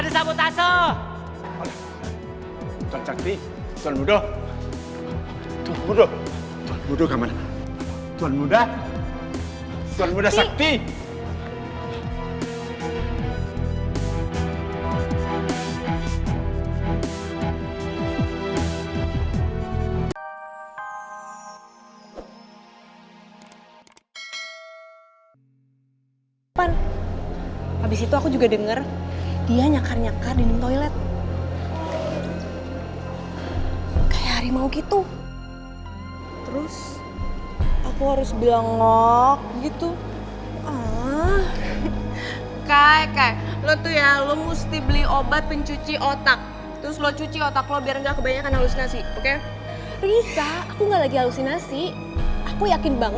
sampai jumpa di video selanjutnya